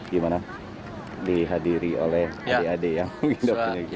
gimana dihadiri oleh adik adik yang menghidupkan ini